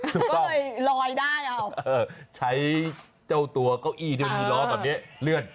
ก็เลยลอยได้เอาใช้เจ้าตัวเก้าอี้ที่มีล้อแบบนี้เลื่อน